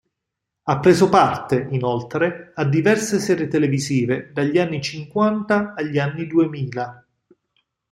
Ha preso parte, inoltre, a diverse serie televisive dagli anni cinquanta agli anni duemila.